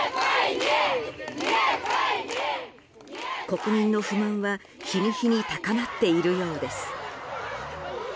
国民の不満は日に日に高まっているようです。